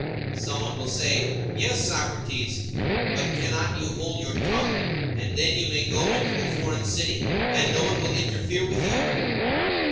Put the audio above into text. Someone will say: Yes, Socrates, but cannot you hold your tongue, and then you may go into a foreign city, and no one will interfere with you?